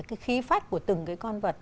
cái khí phách của từng cái con vật